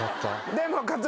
でも。